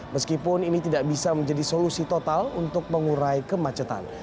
meskipun ini tidak bisa menjadi solusi total untuk mengurai kemacetan